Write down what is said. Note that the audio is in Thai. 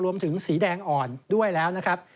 สีแดงอ่อนด้วยแล้วนะครับ